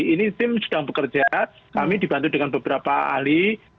ini tim sedang bekerja kami dibantu dengan beberapa ahli